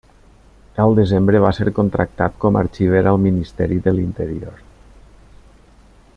El desembre va ser contractat com a arxiver al Ministeri de l'Interior.